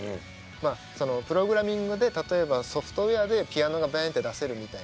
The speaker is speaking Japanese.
まあそのプログラミングで例えばソフトウエアでピアノがバンって出せるみたいな。